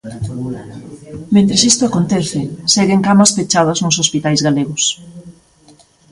Mentres isto acontece, seguen camas pechadas nos hospitais galegos.